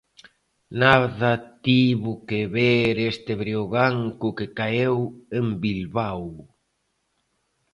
Nada tivo que ver este Breogán co que caeu en Bilbao.